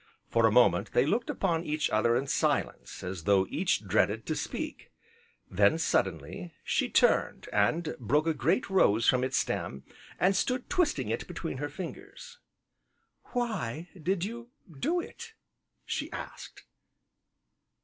For a moment they looked upon each other in silence, as though each dreaded to speak, then suddenly, she turned, and broke a great rose from its stem, and stood twisting it between her fingers. "Why did you do it?" she asked.